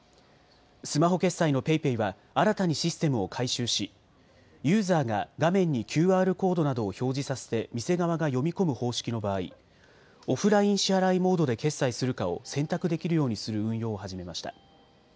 スマホ決済のＰａｙＰａｙは新たにシステムを改修し、ユーザーが画面にＱＲコードなどを表示させて店側が読み込む方式の場合、オフライン支払いモードで決済するかを選択できるようにする運用を始めました。